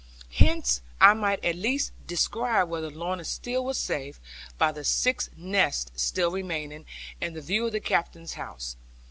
Hence I might at least descry whether Lorna still was safe, by the six nests still remaining, and the view of the Captain's house.